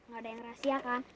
gak ada yang rahasia kan